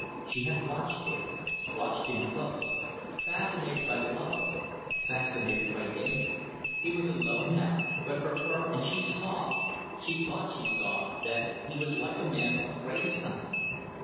She had watched him watched him close; fascinated by love, fascinated by danger. He was alone now but for her; and she saw she thought she saw that he was like a man afraid of something.